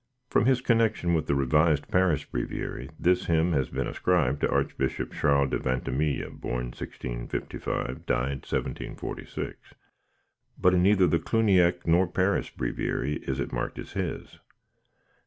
From his connection with the revised Paris Breviary, this hymn has been ascribed to Archbishop Charles de Vintimille, born 1655, died 1746; but in neither the Cluniac nor Paris Breviary is it marked as his.